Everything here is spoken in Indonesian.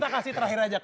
kita kasih terakhir aja